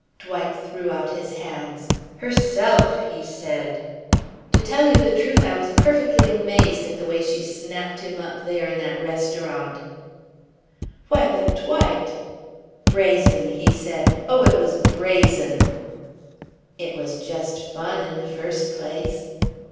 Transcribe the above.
Dwight threw out his hands. "Herself," he said. "To tell you the truth, I was perfectly amazed at the way she snapped him up there in that restaurant." "Why, but, Dwight " "Brazen," he said. "Oh, it was brazen." "It was just fun, in the first place."